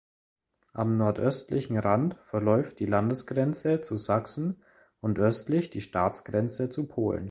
Am nordöstlichen Rand verläuft die Landesgrenze zu Sachsen und östlich die Staatsgrenze zu Polen.